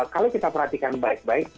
kalau kita perhatikan baik baik